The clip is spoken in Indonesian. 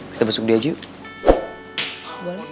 kita besok dia yuk